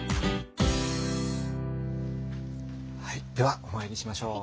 はいではお参りしましょう。